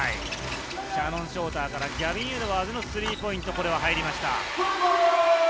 シャノン・ショーターからエドワーズのスリーポイントが入りました。